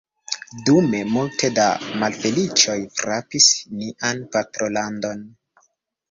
Dume, multe da malfeliĉoj frapis nian patrolandon.